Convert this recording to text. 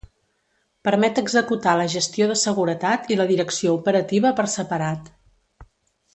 Permet executar la gestió de seguretat i la direcció operativa per separat.